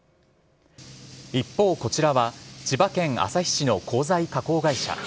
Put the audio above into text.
一方、こちらは、千葉県旭市の鋼材加工会社。